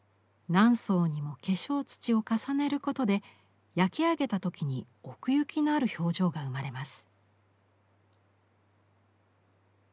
何層にも化粧土を重ねることで焼き上げた時に奥行きのある表情が生まれます。